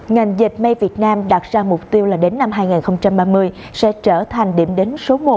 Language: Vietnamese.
ngành dệt may việt nam đặt ra mục tiêu là đến năm hai nghìn ba mươi sẽ trở thành điểm đến số một